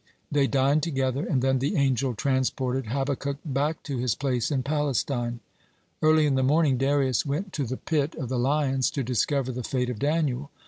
They dined together, and then the angel transported Habakkuk back to his place in Palestine. Early in the morning Darius (13) went to the pit of the lions to discover the fate of Daniel.